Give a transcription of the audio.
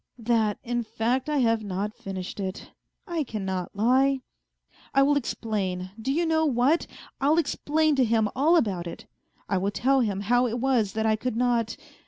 ... That, in fact, I have not finished it ; I cannot lie. I will explain, do you know, what ? I'll explain to him all about it. I will tell him how it was that I could not.